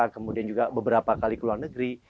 kemudian juga beberapa kali ke luar negeri